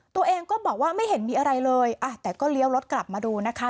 ตัวเองก็บอกว่าไม่เห็นมีอะไรเลยอ่ะแต่ก็เลี้ยวรถกลับมาดูนะคะ